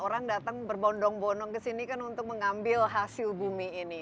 orang datang berbondong bondong ke sini kan untuk mengambil hasil bumi ini